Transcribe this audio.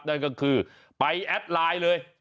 นั่นก็คือไปแอดไลน์เลย